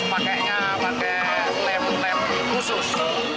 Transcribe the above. pake lampu lampu khusus